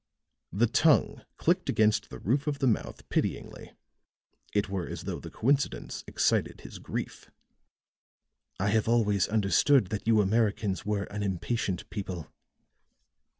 The tongue clicked against the roof of the mouth pityingly; it were as though the coincidence excited his grief. "I have always understood that you Americans were an impatient people.